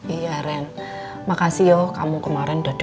iya ren makasih yuk kamu kemarin dodol